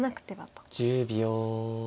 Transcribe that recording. １０秒。